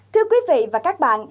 thưa quý vị và các bạn